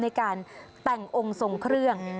ในการแต่งองค์ทรงเครื่อง